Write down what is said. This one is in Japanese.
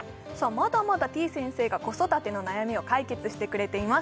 まだまだてぃ先生が子育ての悩みを解決してくれています